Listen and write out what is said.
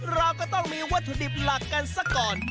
เราก็ต้องมีวัตถุดิบหลักกันซะก่อน